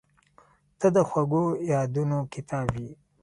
• ته د خوږو یادونو کتاب یې.